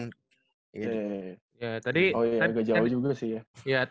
oh iya agak jauh juga sih ya